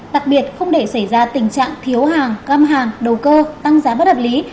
đặc biệt không để xảy ra tình trạng thiếu hàng cơm hàng đầu cơ tăng giá bất hợp lý